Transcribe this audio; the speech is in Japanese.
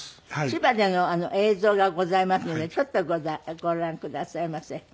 千葉での映像がございますのでちょっとご覧くださいませ。